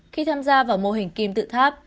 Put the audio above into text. khi tham gia vào mô hình kim tự tháp